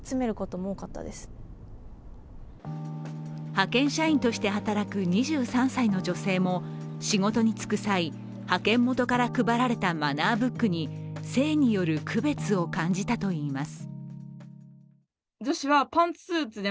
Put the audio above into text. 派遣社員として働く２３歳の女性も仕事に就く際、派遣元から配られたマナーブックに性による区別を感じたといいます。